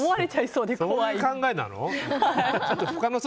そういう考えなの？